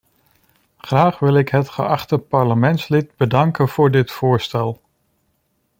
Graag wil ik het geachte parlementslid bedanken voor dit voorstel.